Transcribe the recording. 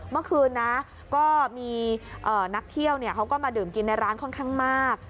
เมื่อคืนนะก็มีนักเที่ยวเขาก็มาดื่มกินในร้านค่อนข้างมาก